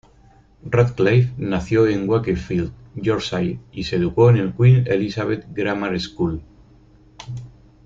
Radcliffe nació en Wakefield, Yorkshire, y se educó en el Queen Elizabeth Grammar School.